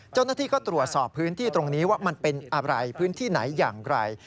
เจ้าหน้าที่ก็ตรวจสอบพื้นที่ตรงนี้ว่ามันเป็นอะไรพื้นที่ไหนอย่างไร